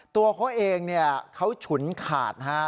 ตัวเขาเองเขาฉุนขาดนะฮะ